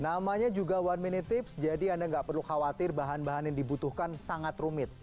namanya juga one minute tips jadi anda nggak perlu khawatir bahan bahan yang dibutuhkan sangat rumit